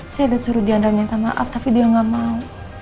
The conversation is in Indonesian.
saya udah suruh diandra minta maaf tapi dia gak mau